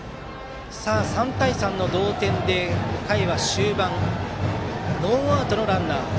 ３対３の同点、回は終盤でノーアウトのランナー。